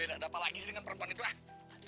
wiwin ada apa lagi sih dengan perempuan itu